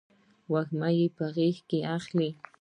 وږمه یې په غیږ کې اخلې